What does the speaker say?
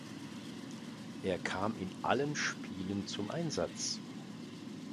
Er kam in allen Spielen zum Einsatz.